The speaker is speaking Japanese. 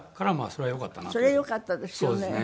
それはよかったですよね。